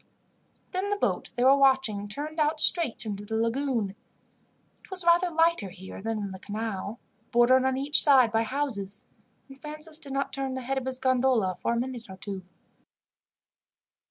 Then the boat they were watching turned out straight into the lagoon. It was rather lighter here than in the canal, bordered on each side by houses, and Francis did not turn the head of his gondola for a minute or two.